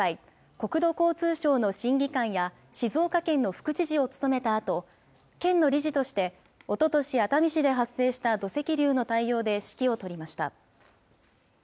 国土交通省の審議官や静岡県の副知事を務めたあと、県の理事として、おととし、熱海市で発生した土石流の対応で指揮を執りました。